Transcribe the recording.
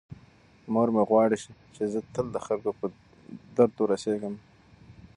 مور مې غواړي چې زه تل د خلکو په درد ورسیږم.